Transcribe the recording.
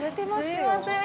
すいません。